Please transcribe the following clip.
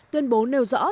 tuyên bố nêu rõ